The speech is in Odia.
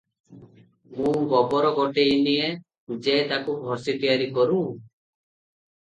ମୁଁ ଗୋବର ଗୋଟେଇ ନିଏ ଯେ ତାକୁ ଘସି ତିଆରି କରୁଁ ।